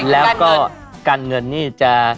แล้วก็การเงินนี่จะ